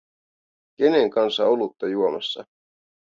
Kenen kanssa olutta juomassa?